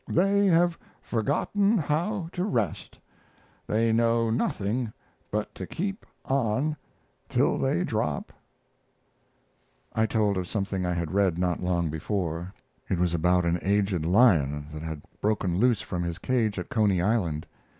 They have forgotten how to rest. They know nothing but to keep on till they drop." I told of something I had read not long before. It was about an aged lion that had broken loose from his cage at Coney Island.